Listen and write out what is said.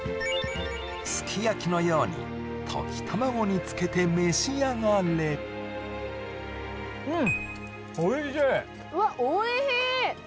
すき焼きのように溶き卵につけて召し上がれうん